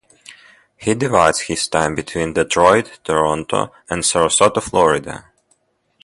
He divides his time between Detroit, Toronto, and Sarasota, Florida.